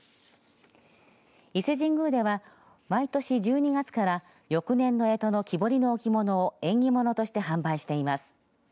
伊勢神宮では毎年１２月から翌年のえとの木彫りの置物を縁起物として販売しています。